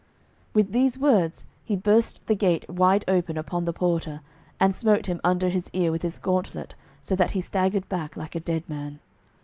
With these words he burst the gate wide open upon the porter, and smote him under his ear with his gauntlet so that he staggered back like a dead man.